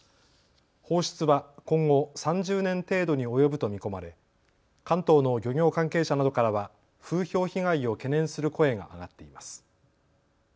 放出は今後３０年程度に及ぶと見込まれ関東の漁業関係者などからは風評被害を懸念する声が上がっています。